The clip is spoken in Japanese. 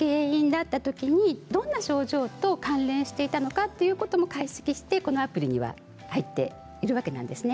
どんな症状と関連していたのかということも解析してこのアプリには入っているわけなんですね。